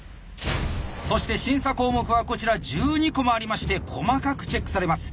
そして審査項目はこちら１２個もありまして細かくチェックされます。